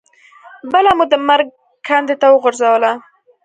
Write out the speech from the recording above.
بله مو د مرګ کندې ته وغورځوله.